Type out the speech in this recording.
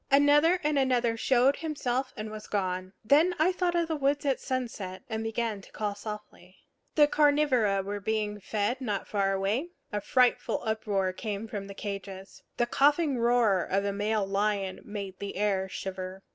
Another and another showed himself and was gone. Then I thought of the woods at sunset, and began to call softly. The carnivora were being fed not far away; a frightful uproar came from the cages. The coughing roar of a male lion made the air shiver.